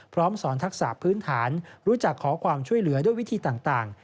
พร้อมสอนทักษะพื้นฐานรู้จักขอความช่วยเหลือด้วยวิธีต่าง